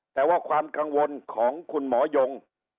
แต่ว่าความกังวลของคุณหมอยง